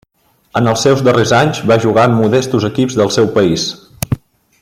En els seus darrers anys va jugar en modestos equips del seu país.